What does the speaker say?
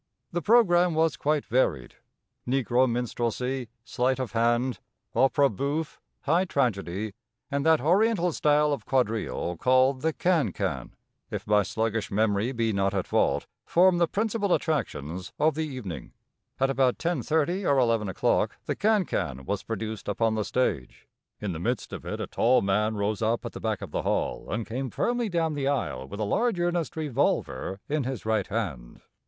The programme was quite varied. Negro minstrelsy, sleight of hand, opera bouffe, high tragedy, and that oriental style of quadrille called the khan khan, if my sluggish memory be not at fault, formed the principal attractions of the evening. At about 10:30 or 11 o'clock the khan khan was produced upon the stage. In the midst of it a tall man rose up at the back of the hall, and came firmly down the aisle with a large, earnest revolver in his right hand.